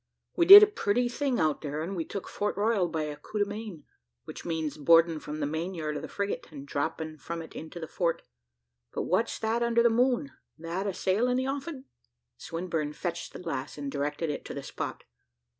We did a pretty thing out here when we took Fort Royal by a coup de main, which means, boarding from the main yard of the frigate, and dropping from it into the fort. But what's that under the moon? that a sail in the offing." Swinburne fetched the glass and directed it to the spot.